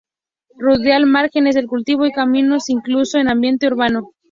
Ruderal, márgenes de cultivo y caminos, incluso en ambiente urbano.